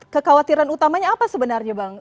kekhawatiran utamanya apa sebenarnya bang